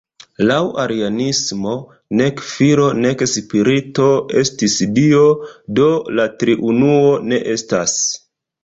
Laŭ arianismo, nek Filo nek Spirito estis Dio, do la Triunuo ne estas.